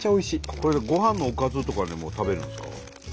これごはんのおかずとかでも食べるんですか？